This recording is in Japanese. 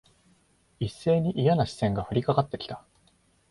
一斉にいやな視線が降りかかって来た。